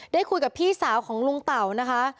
ได้คุยกับพี่สาวของลุงเต่านะคะ